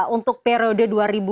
untuk periode dua ribu dua puluh